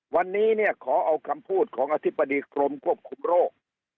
วันนี้เนี่ยขอเอาคำพูดของอธิบดีกรมควบคุมโรค